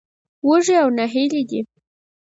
وږي او نهيلي دي.